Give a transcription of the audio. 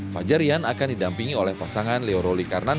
fajar rian akan didampingi oleh pasangan leo roli karnan